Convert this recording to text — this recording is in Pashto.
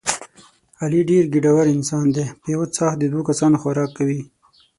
علي ډېر ګېډور انسان دی په یوه څاښت د دوه کسانو خوراک کوي.